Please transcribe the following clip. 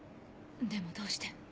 でもどうして。